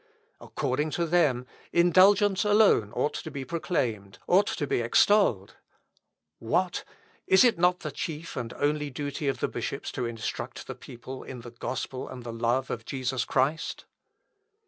"According to them, indulgence alone ought to be proclaimed, ought to be extolled.... What! Is it not the chief and only duty of bishops to instruct the people in the gospel and the love of Jesus Christ?